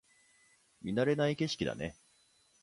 見慣れない景色だね